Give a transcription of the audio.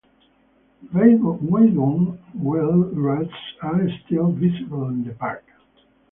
Wagon wheel ruts are still visible in the park.